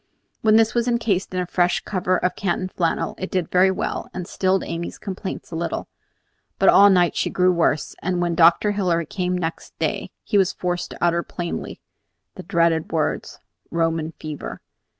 When this was encased in a fresh cover of Canton flannel, it did very well, and stilled Amy's complaints a little; but all night she grew worse, and when Dr. Hilary came next day, he was forced to utter plainly the dreaded words "Roman fever."